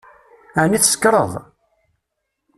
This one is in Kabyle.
Ɛni tsekṛeḍ?